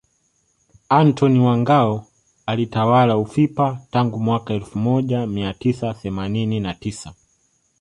Antony wa Ngao alitawala ufipa tangu mwaka elfu moja mia tisa themanini na tisa